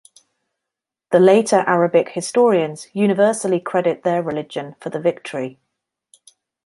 The later Arabic historians universally credit their religion for the victory.